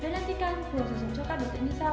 bia lentica được sử dụng cho các đối tượng như sau